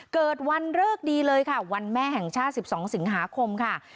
เกิดวันเลิกดีเลยค่ะวันแม่แห่งชาติ๑๒สิงหาคมค่ะ